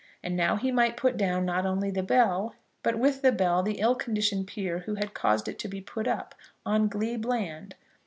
And now he might put down, not only the bell, but with the bell the ill conditioned peer who had caused it to be put up on glebe land.